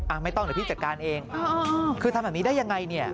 ไม่ต้องเดี๋ยวพี่จัดการเองคือทำแบบนี้ได้ยังไงเนี่ย